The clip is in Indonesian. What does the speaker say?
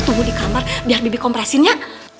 tunggu di kamar biar bibit kompresinnya